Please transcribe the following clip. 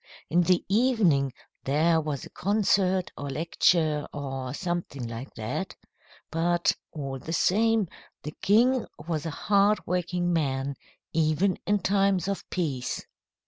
In the evening there was a concert or lecture, or something like that. But, all the same, the king was a hardworking man, even in times of peace."